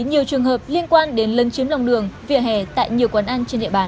nhiều trường hợp liên quan đến lân chiếm lòng đường vỉa hè tại nhiều quán ăn trên địa bàn